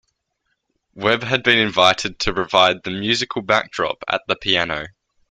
Webb had been invited to provide the musical backdrop at the piano.